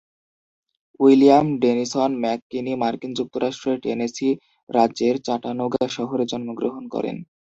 William Dennison McKinney মার্কিন যুক্তরাষ্ট্রের Tennessee রাজ্যের চাটানুগা শহরে জন্মগ্রহণ করেন।